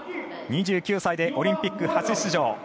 ２９歳で、オリンピック初出場。